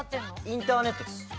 インターネットです。